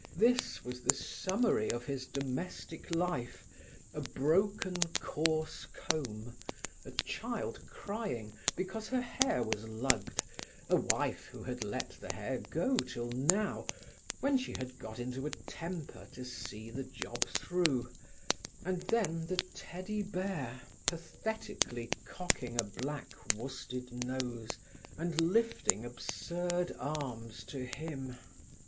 This was the summary of his domestic life—a broken, coarse comb, a child crying because her hair was lugged, a wife who had let the hair go till now, when she had got into a temper to see the job through; and then the teddy bear, pathetically cocking a black worsted nose, and lifting absurd arms to him.